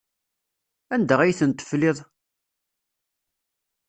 Anda ay tent-tefliḍ?